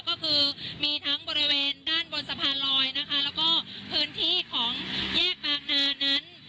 ก็คือมีทั้งบริเวณด้านบนสะพานลอยนะคะแล้วก็พื้นที่ของแยกบางนานั้น